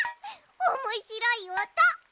おもしろいおと。